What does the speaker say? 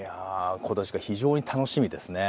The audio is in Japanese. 今年が非常に楽しみですね。